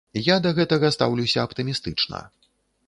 Я да гэтага стаўлюся аптымістычна.